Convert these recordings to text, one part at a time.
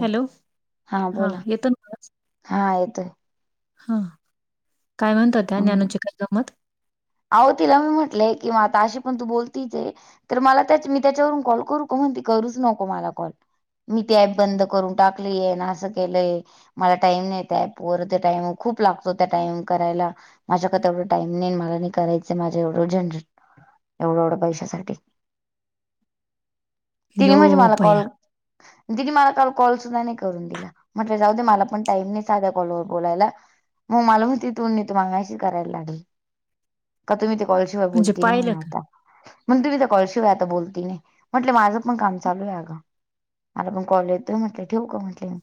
Hello हा येतो ना म हा येतोय हा काय म्हणतो त्या ज्ञानूची का गमत आहो तिला मी म्हटलेय की म आता अशी पण तू बोलती तेे तर मला त्या मी त्याच्यावरून कॉल करू म्हणती करूच नको मला कॉल मी ती ॲप बंद करून टाकलीय ना असं केलंय मला टाइम नाही त्या पर ते टाइम खूप लागतो त्या टाइम करायला. माझ्याकडे एवढं टाईम नाही मला नाही करायचं माझं एवढं जनरेट एवढं एवढं पैशासाठी तिने यो म्हणजे मला बया! कॉल दिने मला काल कॉल सुद्धा नाही करून दिला. म्हटलं जाऊ मला पण टाईम साध्या कॉल बोलायला मग मला तथ तमगाशी करायला लागेल का तुम्ही ते कॉलशिवाय म्हणजे बोलते नाही पाहिलं म्हण का? आता. मग तुम्ही तर कॉळशिवाय आता बोलती नाही म्हटले माझं पण काम चालू आहे गं! मला पण कॉल येतोय म्हटले ठेव का म्हटले म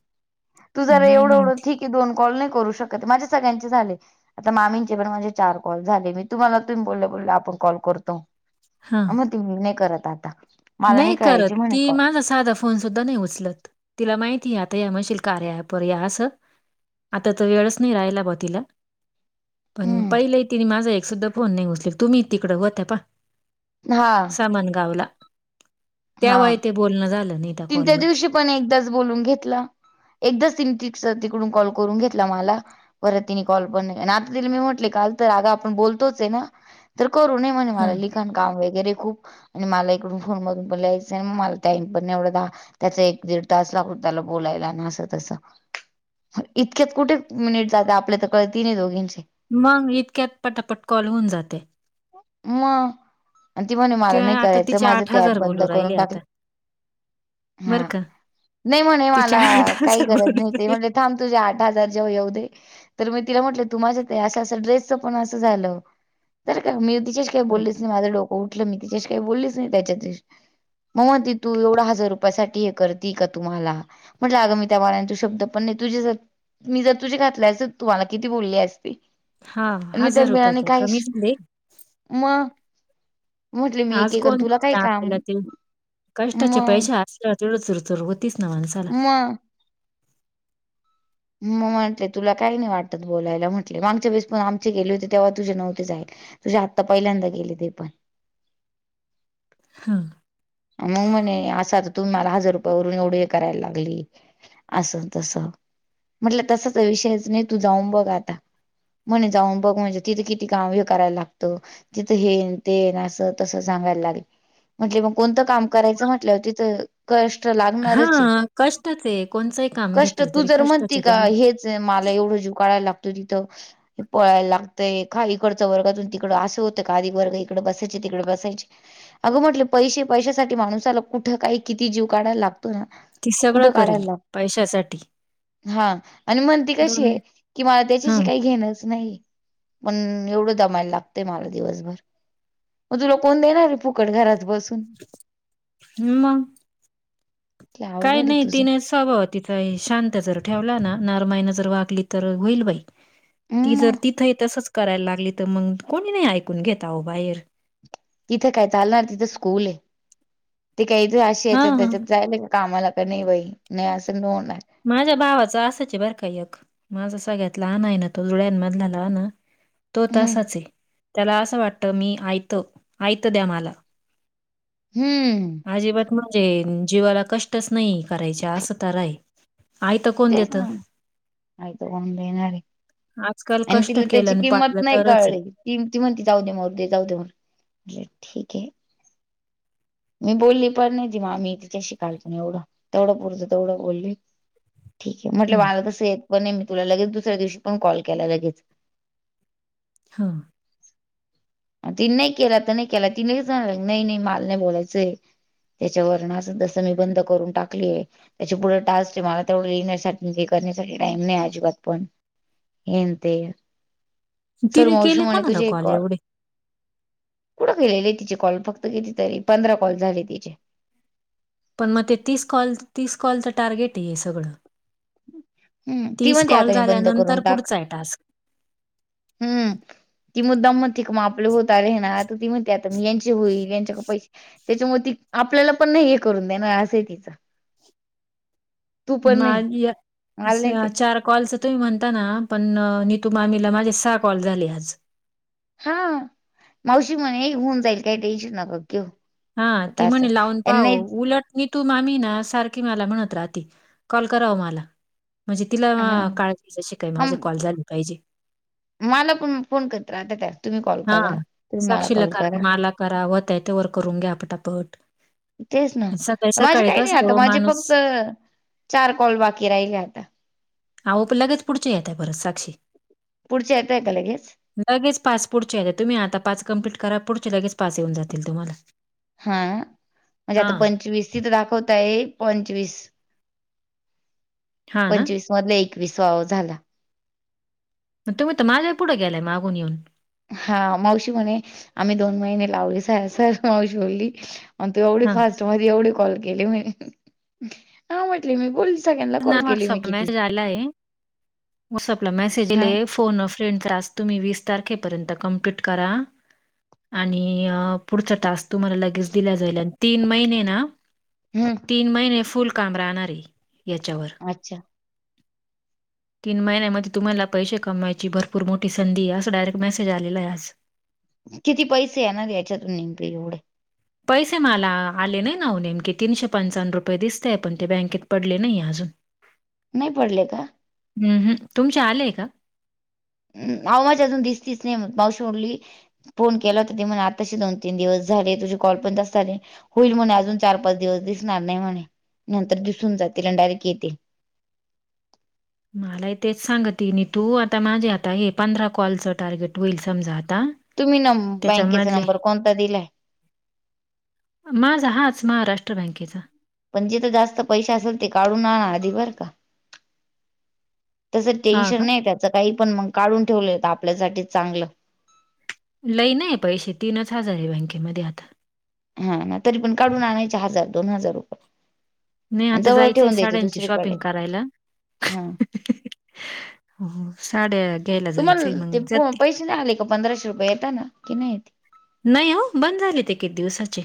तू जरा नाही, एवढं नाही एवढं ठीक आहे दोन कॉल नाही करू शकत माझ्या सगळ्यांचे झाले. आता मामींचे पण म्हणजे चार कॉल झाले मी तुम्हाला तु् बोलले बोलले आपण कॉल करतो हां, मग मी नाही करत आता. मला नाही करत करायची म्हणे ती कॉल माझ साध फोन सुद्धा नाही उचलत तिला माहितीय आता या म्हशील कार्या अँपवर या आस. आता त वेळच नाही राहिला भा तिला पण हम्म पहिलंही तिने माझा एक सुुद्धा फोन नाही उचलेल तुम्ही तिकडं होत प हा सामान गावला हा त्यावेळी ते बोलणं झालं नीता तीन त्या कॉलवर. दिवशी पण एकदाच बोलून घेतला एकदाच त तिकडून कॉल करून घेतला मला. परत तिने कॉल पण नाही आता तिला मी म्हटले काल तर आगा आपण बोलतोच आहे ना तर करू. होन हं, मला लिखण काम वगैरे खूप आणि मला इकडून फोनमध सिनेमा माल टाईनण एवढ द त्याचा एक दीड तास लागून त्याला बोलायला ना अस तस. इतक्यात कुठे मिनिट जाते आपल्या तर कळ तीनही दोघींचे मग इतक्यात पटापट कॉल होऊन जाते. मग आणि ती म्हणे मला त्या नाही आता करायचं तिचे माझं ते ऍप बंद बोलू राहिले करून आता. टाकलं. हा बरं का? नाही म्हणे तिचे मला काही बोलू गरज नाही ते म्हण राहिले. थांब तुझे आठ हजार जेव्हा येऊ दे. तर मी तिला म्हटलं तु माझ्या ते असं असं ड्रेसचं पण असं झालं. तर का मी तिच्याशी काही बोललीच नाही माझं डोकं उठलं मी तिच्याशी काही बोललीच नाही त्याच्या दिशी. मग मग ती तू एवढा हजार रुपया सा हे करते का तुम्हाला म्हटलं आगं मी त्यां तो शब्द पण नाही तुझे ज मी जर तुझी घातलाय अस तर तुम्हाला किती बोलली असते. हा हजार रुपय काय कमी दि दे मग म्हटले मी आज एकीकरण कोण तुला काय देतं ना काम? आपल्याला ते. कष्टाचे मग पैसे असल्या चुरचुर चर होतीस ना माणसाला. मग मग म्हंटले तुला काय नाही वाटत बोलायला म्हटले मागच्या बेसपून आमचे गेले होते तेव्हा तुझे नव्हते जाईल. तुझी आत्ता पहिल्यांदा गेली ते पण हा मग म्हणे असा तर तुम्हाला हजार रुपया वरून एवढी करायला लागली. असं तस म्हटलं तसाच विषयच नाही तू जाऊन बघ आता. म्हणे जाऊन बघ म्हणजे तिथे किती काम हे करायला लागतं. तिथं हेन ते येन असं तस सांगायला लागल म्हणे मग कोणतं काम करायचं म्हटलं होती तर कष्ट लागणारच हां, कष्टाचं आहे. कोणचंही काम कष्ट घेतलं तू तरी जर कष्टाचं म्हणते आहे का त्याला. हेच मला एवढं झुकायला लागतो तिथं पळायला लागतंय का इकडचा वर्गातून तिकडं असं होतं का आधी वर्ग इकड बसायचे तिकडे बसायचे. अगं म्हटले पैसे पैशासाठी माणसाला कुठं काही किती जीव काढायला लागत. ती सगळं कुठं काढाय करील लागतो. पैशासाठी. हा आणि म्हणती कशी आहे की मला त्याच्याशी हं. काही घेणंच नाही. पण एवढं दमायला लागतंय मला दिवसभर. मग तुला कोण देणारी फुकट घरात बसून. हम्म, मग ते काय अवघड आहे नाही, तुझं तिन स्वभाव तिचा शांत जर ठेवला ना नारमायनं जर वागली ना तर होईल बाई, ती हम्म जर तिथ ही तसच करायला लागली तर मग कोणी नाही ऐकून घेत हो बाहेर. तिथं काय चालणार तिथं स्कूल आहे ते काही अशीे याच्यात हां. त्याच्यात जायला. कामाला का नाही बाई नाही असं, [unintelligible] माझ्या भावाचं असाचे बर का एक. माझा सगळ्यात लहान आहे, ना तो जुळ्यान मधला लहान ना. तो हम्म तसाच त्याला असं वाटतं मी ऐतं ऐतं द्या मला. हम्म अजिबात म्हणजे जीवाला कष्टच नाही करायच्या असं तरा आहे. आयत कोण देत. आयत कोण देणारे, आजकाल आणि कष्ट तिला केलं त्याची आणि पाळलं किंमत नाही तरच कळली. आहे. त ती म्हणती जाऊ दे, मरु दे, जाऊ दे म्ह म्हटल ठीके. मी बोलली पण नाही, ती आम्ही तिच्याशी काल पण एवढ, तेवढ पुरतं तेवढ बोली. ठीक आहे म्हटलं, हं, मला तस येत पण नाही मी तुला लगेच दुसऱ्या दिवशी पण कॉल केला लगेच. हा ति नाही केला तु नाही केला ति [unintelligible] नाही नाही, माला नाही बोलायचं. त्याच्या [unintelligible] अस तस मी बंद करून टाकलीय. त्याच्या पुढे टास्क आहे. मला तेवढं येण्यासाठी आणि हे करण्यासाठी टाइम नाही अजिबात पण हेन ते, सरू तिने मावशी केले म्हणे कोणाला तुझे एक कॉल एवढे कुठं केलेले तिचे, कॉल फक्त किती तरी पंधरा कॉल झाले तिचे. पण मग ते तीस कॉल तीस कॉलचं टार्गेट आहे सगळं. हम्म, ती तीस म्हणते कॉल आता मी बंद झाल्यानंतर करून टाक. पुढचा आहे टास्क हम्म ती मुद्दाम म्हणते की, मग आपल होत आले ना ती म्हणती, आता मी यांचे होईल यांच्याक पैसे त्याच्यामुळे ती आपल्याला पण नाही हे करून देणार असं आहे तिच. [unintelligible] मला नाही सहा, ते चार कॉलस तुम्ही म्हणता ना, पण नीतु मामीला माझे सहा कॉल झाले आज. हा मावशी म्हणे होऊन जाईल काय टेन्शन नका घेऊ. हा होत ती असं म्हणे लावून पाहू नाही उलट नितू मामी ना सारखी मला म्हणत राहती कॉल करा ओ मला. म्हणजे तिला हा काळजीच अशी काय माझे अम, कॉल झाला पाहिजे. मला पण फोन करत राहत्या त्या तुम्ही कॉल करा, तुम्ही मला कॉल करा. करावं होतंय तोवर करून घ्या पटापट. तेच ना माझे सकाळी-सकाळी काही नाही कसं आता हो माझे माणूस फक्त चार कॉल बाकी राहिले आता. आहो पण लगेच पुढच येताय परत साक्षी. पुढचे येताय का लगेच? लगेच पाच पुढचे येतात, तुम्ही आता पाच कम्प्लीट करा पुढचे लगेच पाच येऊन जातील तुम्हाला. हा, म्हणजे आता हां, पंचवीस तिथं दाखवता आहे पंचवीस. हां ना. पंचवीस मधले एकवीस वा झाला. तुम्ही तर माझ्या ही पुढे गेलाय मागून येऊन. हा मावशी म्हणे, आम्ही दोन महिने लावली सस मावशी बोली. आणि तू एवढी हां. फास्ट मध्ये एवढी कॉल केले, मी हा म्हटले मी बोली व्हॉटसअप मॅसेज आलाय व्हॉटसॲप मॅसेज हा इले फोन अ फ्रेंड टास्क तुम्ही वीस तारखेपर्यंत कम्पलीट करा. आणि पुढचा टास्क तुम्हाला लगेच दिला जाईल आणि तीन महिने ना हम्म तीन महिने फुल काम राहणार याच्यावर. अच्छा! तीन महिन्यामध्ये तुम्हाला पैसे कमवायची भरपूर मोठी संधी आहे असं डायरेक्ट मेसेज आलेलं आहे आज [inaudible] किती पैसे आहे ना याच्यातून नेमके एवढे ह पैसे मला आले नाही नाऊ नेमकीे तीनशे पंचावन्न रुपये दिसतेय पण ते बँकेत पडले नाही अजून नाही पडले का? हम्म हम् तुमचे आलेय का हम आव माझ्या अजून दिसतीच नाही म भावशी डली फोन केला होता ते मग आताशी दोन तीन दिवस झाले तुझे कॉल पण जास्त झाले होईल म्हणे अजून चार पाच दिवस दिसणार नाही म्हणे नंतर दिसून जातील ना डायरेक्ट येेते मला तेच सांगत तू आता माझे आता हे पंधरा कॉलचं टार्गेट होईल समजा आता तुम्ही न बँकेचा त्याच्यामधले नंबर कोणता दिलाय माझ हाच महाराष्ट्र बँकेचा पण जेथ जास्त पैसे असेल ते काढून आण आधी बर का तसं हां टेन्शन का? नाही त्याचं काही पण मग काढून ठेवलंेत आपल्यासाठी चांगलं लई नाही पैसे तीनच हजार आहे बँकेमध्ये आता हा ना तरी पण काढून आणायचे हजार दोन हजार रुपये नाही आता जवळ जायचंय ठेवून द्यायचे साड्यांची शॉपिंग दुसरीकडे करायला हा हो साड्या घ्यायला तुम्हाला जायचंय मग ते ज पैसे नाही आले का पंधराशे रुपये येता ना की नाही येत नाही हो बंद झाली ते किती दिवसाचे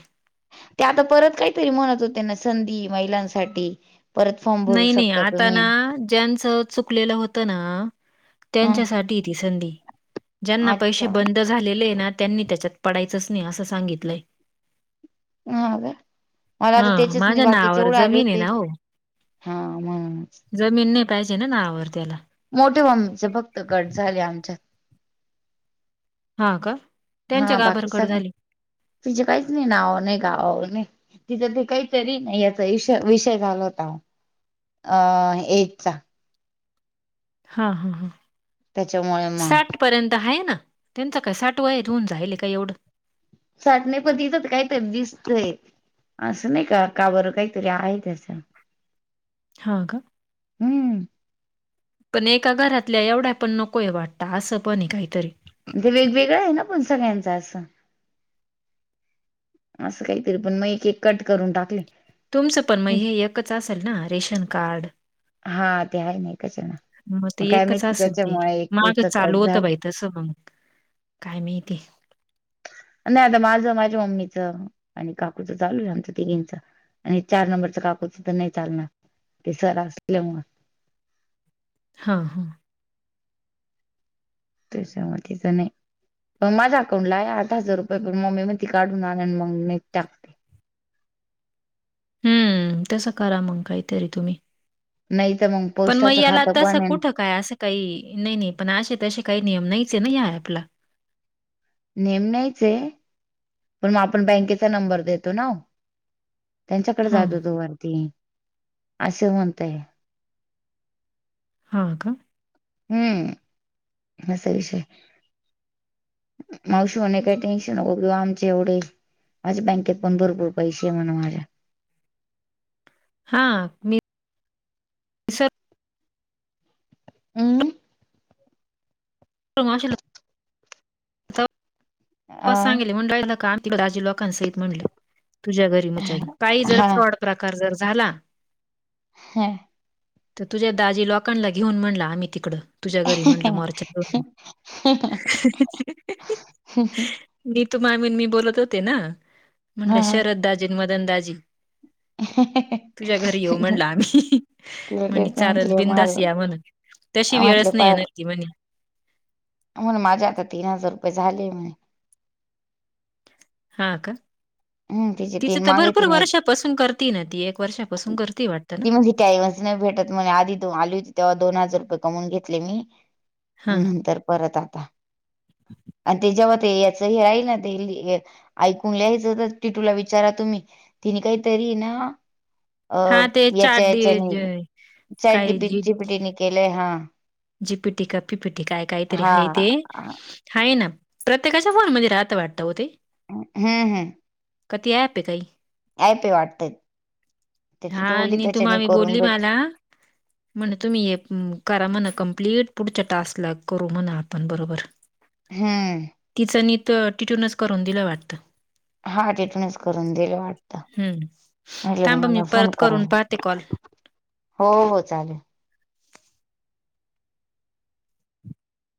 ते आता परत काहीतरी म्हणत होते ना संधी महिलांसाठी परत फॉर्म भरू नाही नाही शकता आता तुम्ही ना ज्यांच चुकलेलं होतं ना ह त्यांच्यासाठी ती संधी ज्यांना पैसे अच्छा बंदच झालेलं आहे ना त्यांनी त्याच्यात पडायचंच नाही असं सांगितलंय हा का मला आ तर हां, त्याच्याच मी माझ्या नावावर बाकीचेवढे आले जमीन आहे होते ना हो. हा म जमीन नाही पाहिजे ना ना आवर त्याला मोठेे फक्त गट झाले आमच्यात हा का त्यांच्या हा बाकी गाभरकडं सगळ झाली. तिझे काहीच नाही नाव नाही गावा नाही तिच्यां ते काही चरी नाही याचा विषय झाला होता अ एटचा हा हा हां त्याच्यामुळे मग साठ पर्यंत हा ना त्यांच काय साठव आहे होऊन जाईल का एवढं साठणे पण तथं काय तर दिसतय असं नाही का का बरं काहीतरी आहे त्याचं ह हम्म पण एका घरातल्या एवढ्या पण नकोय वाटत असं पण काहीतरी ते वेगवेगळं आहे ना पण सगळ्यांच असं असं काहीतरी पण मग एक एक कट करून टाकले तुमचं पण मै हं. हे एकच असेल ना रेशन कार्ड हा ते आहे नाही त्याच्याना मग ते काय एकच माहिती असी त्याच्यामुळे माग एकटीच कट चालू होतं झालं बाहि तस मग काय माहिती नाही आता माझं माझ्या मम्मीचं आणि काकूचं चालू आहे आमचं तिघींचं आणि चार नंबरच काकूच तर नाही चालणार ते सर असल्यामु हा हा तच्या मचं नाही पण माझ्या अकाउंट ला आहे आठ हजार रुपये पण मम्मी मग ती काढून आण मग मी टाकते. हम्म. तसं करा मग काहीतरी तुम्ही. नाही तर मग पण मग पोस्टाचं याला खातं तसं पण आहे कुठं काय असं काही? नाही नाही पण असे तसे काही नियम नाहीचे हेना या ॲपला. नेम नाहीच आहे, पण मग आपण बँकेचा नंबर देतो ना ओ. त्यांच्याकडे हां, जात होतो वरती असं म्हणतय. हा का? हम्म. असा विषय. मावशू आणि काही टेनशू नको की आमचे एवढे माझ्या बँकेत पण भरपूर पैसे म्हणा माझ्या. हा. मी सर्व हम्म. प्रमाशल अ सांगले म्हणलं का आम आजी लोकांसहित म्हणले तुझ्या घरी म काही जर हा फ्रॉड प्रकार जर झाला? ह्या. तर तुझ्या दाजी लोकांला घेऊन म्हणला आम्ही तिकडं तुझ्या घरी म्हटलं मोर्चा अहं अहं. नितू मामीन मी बोलत होते ना म्हणलं हा हा शरद दाजी, मदन दाजी [inaudible] तुझ्या घरी येऊ म्हणला आम्ही. तिला ते म्हणे चाललं म्हटले माल बिंदास या म्हण तशी वेळच म्हटले नाही पाय येणार ती म्हणे म्हण माझ्या आता तीन हजार रुपये झाले म्हणे हा का? हम् तिचे तिचं तीन तर मागे भरपूर तिने एक वर्षापासून करती ना ती एक वर्षापासून करती वाटतं ना. टाईम च नाही भेटत म्हणे आधी आली होती तेव्हा दोन हजार रुपये कमवून घेतले मी. हा नंतर परत आता आणि ते जेव्हा ते याचं हे राहील ना ते ऐकून लिहायचं तर ती तुला विचारा तुम्ही तिने काहीतरी ना अ हा ते याच्या चाट याच्याने चाट काय जी जीपिटी केलंय हा. जीपीटी का पीपीटी काय काहीतरी हा आहे ते. आहे ना. प्रत्येकाच्या फोन म्हणजे राहता वाटत ओ ते? हम्म हम्म. कती आपे काही? ऍप आहे वाटतं त्याची हा. टोली नीतू त्याच्याने मामी करून बोलली भेट मला. म्हण तुम्ही ये करा म्हणा कम्प्लीट पुढच्या टास्कला करू म्हणा आपण बरोबर. हा. तिचं नीत टिटूनच करून दिलं वाटतं. हा टिटूनच करून दिलं वाटत हम्म म्हटले म मला फोन करा ते कॉल. हो हो चालेल.